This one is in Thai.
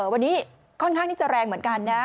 วันนี้ค่อนข้างที่จะแรงเหมือนกันนะ